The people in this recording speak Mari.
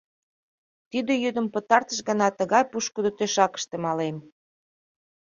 «Тиде йӱдым пытартыш гана тыгай пушкыдо тӧшакыште малем.